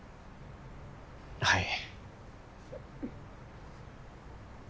はい。